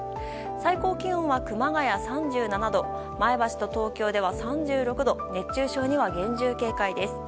最高気温は熊谷、３７度前橋と東京では３６度熱中症には厳重警戒です。